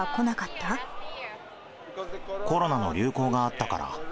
コロナの流行があったから。